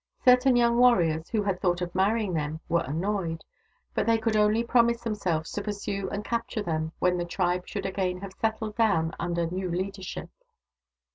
Certain young warriors who had thought of marrying them were annoyed, but they could only promise them selves to pursue and capture them when the tribe should again have settled down under new leader ship.